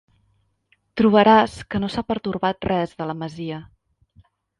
Trobaràs que no s'ha pertorbat res de la masia.